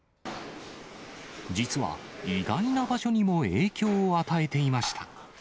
実は、意外な場所にも影響を与えていました。